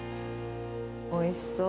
おいしそう。